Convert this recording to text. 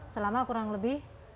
selama kurang lebih